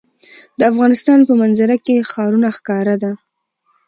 د افغانستان په منظره کې ښارونه ښکاره ده.